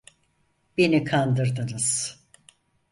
Beni kandırdınız.